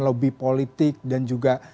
lobby politik dan juga